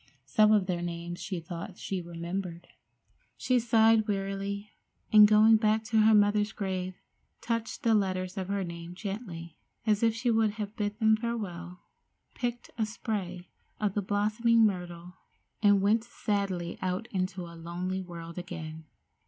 Some of their names she thought she remembered. She sighed wearily, and, going back to her mother's grave, touched the letters of her name gently, as if she would bid them farewell, picked a spray of the blossoming myrtle, and went sadly out into a lonely world again.